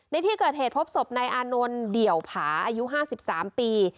ในที่เกิดเหตุพบศพนายอานนท์เดี่ยวผาอายุ๕๓ปี